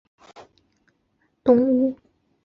是非洲顶级的食肉动物。